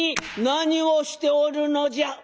「何をしておるのじゃ」。